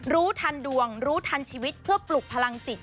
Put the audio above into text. รู้ทันดวงรู้ทันชีวิตเพื่อปลุกพลังจิต